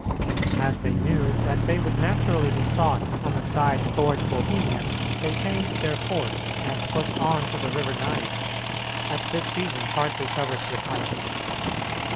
As they knew that they would naturally be sought on the side toward Bohemia, they changed their course and pushed on to the river Neiss, at this season partly covered with ice.